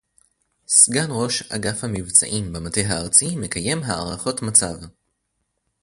סגן ראש אגף המבצעים במטה הארצי מקיים הערכות מצב